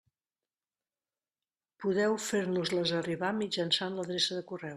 Podeu fer-nos-les arribar mitjançant l'adreça de correu.